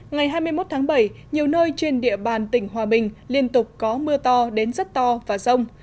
ngày hai mươi một tháng bảy nhiều nơi trên địa bàn tỉnh hòa bình liên tục có mưa to đến rất to và rông